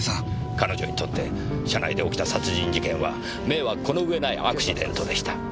彼女にとって車内で起きた殺人事件は迷惑この上ないアクシデントでした。